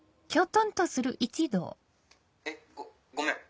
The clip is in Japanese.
えっごめん。